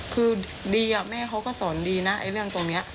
คือดีแม่เขาก็สอนดีนะไอ้เรื่องตรงนี้